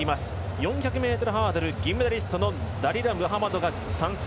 ４００ｍハードル銀メダリストのダリラ・ムハマドが３走。